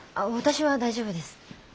私は大丈夫です。